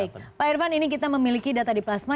baik pak irvan ini kita memiliki data di plasma